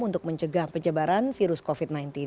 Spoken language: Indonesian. untuk mencegah penyebaran virus covid sembilan belas